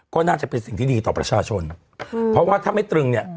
ก็น่าจะเป็นสิ่งที่ดีต่อประชาชนเพราะว่าถ้าไม่ตรึงเนี่ย